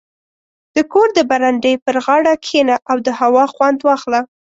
• د کور د برنډې پر غاړه کښېنه او د هوا خوند واخله.